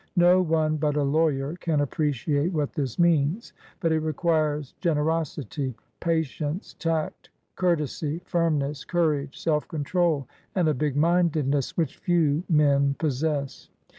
No one but a lawyer can appreciate what this means; but it requires generosity, patience, tact, cour tesy, firmness, courage, self control, and a big mindedness which few men possess.